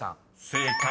［正解。